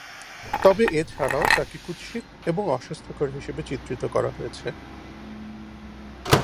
তবে, এছাড়াও, তাকে কুৎসিত এবং অস্বাস্থ্যকর হিসেবে চিত্রিত করা হয়েছে।